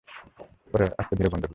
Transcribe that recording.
পরে আস্তেধীরে বন্ধু হলাম।